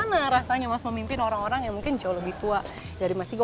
gimana rasanya mas memimpin orang orang yang mungkin jauh lebih tua dari mas igu